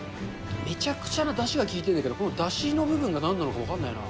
めちゃくちゃなだしが効いてるんだけど、だしの部分が何なのか分からないな。